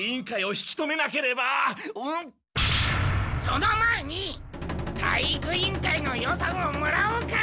その前に体育委員会の予算をもらおうか！